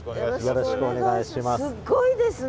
すっごいですね。